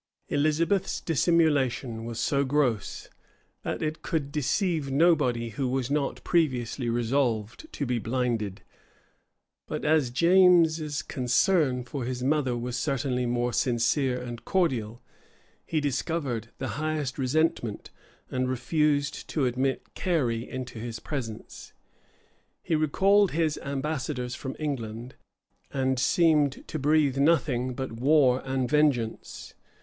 Elizabeth's dissimulation was so gross, that it could deceive nobody who was not previously resolved to be blinded; but as James's concern for his mother was certainly more sincere and cordial, he discovered the highest resentment, and refused to admit Cary into his presence. He recalled his ambassadors from England, and seemed to breathe nothing but war and vengeance.